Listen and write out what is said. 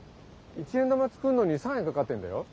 一円玉作るのに３円かかってんだよ？